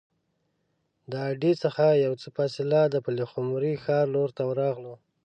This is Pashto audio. د اډې څخه یو څه فاصله د پلخمري ښار لور ته راغلو.